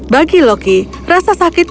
bagi loki rasa sakit karena kegilaannya